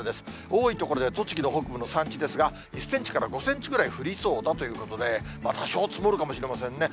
多い所で栃木の北部の山地ですが、１センチから５センチくらい降りそうだということで、多少積もるかもしれませんね。